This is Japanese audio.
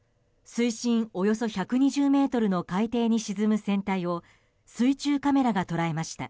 水深およそ１２０ｍの海底に沈む船体を水中カメラが捉えました。